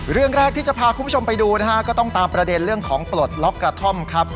เรื่องแรกที่จะพาคุณผู้ชมไปดูนะฮะก็ต้องตามประเด็นเรื่องของปลดล็อกกระท่อมครับ